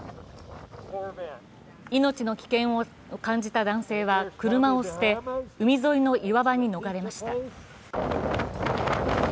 命の危険を感じた男性は、車を捨て、海沿いの岩場に逃れました。